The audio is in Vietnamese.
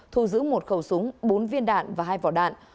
thu giữ một khẩu súng bốn viên đạn và hai vỏ đạn